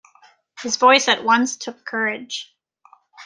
His voice at once took courage.